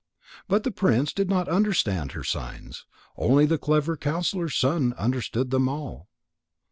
But the prince did not understand her signs, only the clever counsellor's son understood them all.